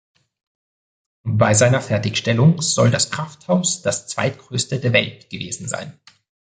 Bei seiner Fertigstellung soll das Krafthaus das zweitgrößte der Welt gewesen sein.